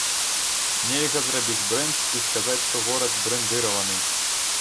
Нельга зрабіць брэнд і сказаць, што горад брэндыраваны.